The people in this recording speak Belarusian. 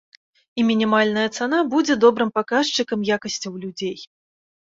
І мінімальная цана будзе добрым паказчыкам якасцяў людзей.